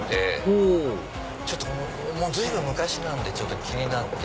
ほお随分昔なんでちょっと気になって。